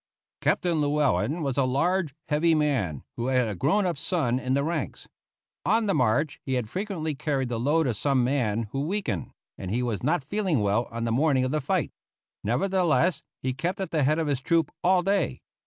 Captain Llewellen was a large, heavy man, who had a grown up son in the ranks. On the march he had frequently carried the load of some man who weakened, and he was not feeling well on the morning of the fight. Nevertheless, he kept at the head of his troop all day.